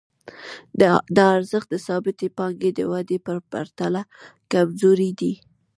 دا ارزښت د ثابتې پانګې د ودې په پرتله کمزوری دی